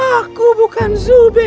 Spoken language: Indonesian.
aku bukan zuber